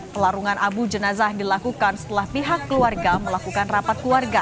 pelarungan abu jenazah dilakukan setelah pihak keluarga melakukan rapat keluarga